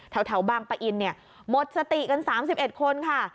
แถวบางปะอินเนี่ยหมดสติกัน๓๑คนค่ะ